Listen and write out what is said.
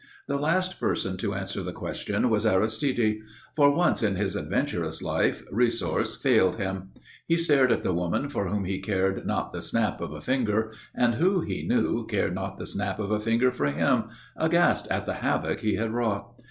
The last person to answer the question was Aristide. For once in his adventurous life resource failed him. He stared at the woman for whom he cared not the snap of a finger, and who, he knew, cared not the snap of a finger for him, aghast at the havoc he had wrought.